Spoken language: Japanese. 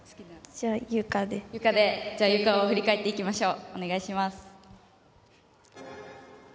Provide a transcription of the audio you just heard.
じゃあ、ゆかを振り返っていきましょう。